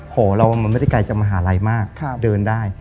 หอเรามันไม่ได้ไกลจากมหาลัยมากเดินได้